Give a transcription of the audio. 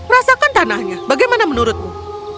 rasakan tanahnya bagaimana menurutmu